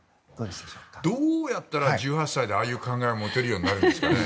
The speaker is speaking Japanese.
どうやったら１８歳でああいう考えを持てるようになるんですかね。